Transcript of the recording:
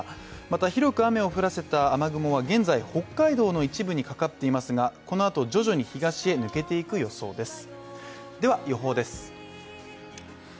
また広く雨を降らせた雨雲は現在、北海道の一部にかかっていますがこのあと徐々に東へ抜けていく予想です。